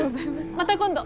また今度！